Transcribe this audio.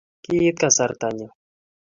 Kiit kasartanyo.